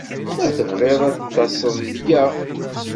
Ma tebɣiḍ ad d-taseḍ, yya.